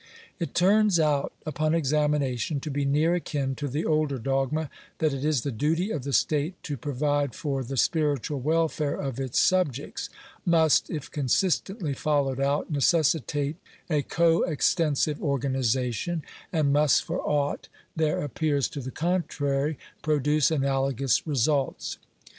It turns out, upon examination, to be near akin to the older dogma that it is the duty of the state to provide for the spiritual welfare of its subjects — must, if consistently followed out, necessitate a ao extensive organization— and must, foe aught there appears to the contrary, produce analogous results.